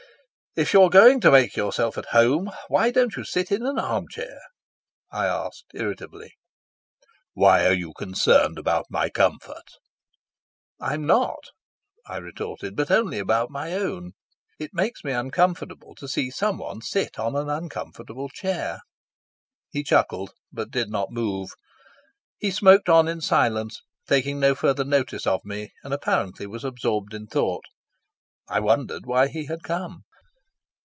"If you're going to make yourself at home, why don't you sit in an arm chair?" I asked irritably. "Why are you concerned about my comfort?" "I'm not," I retorted, "but only about my own. It makes me uncomfortable to see someone sit on an uncomfortable chair." He chuckled, but did not move. He smoked on in silence, taking no further notice of me, and apparently was absorbed in thought. I wondered why he had come.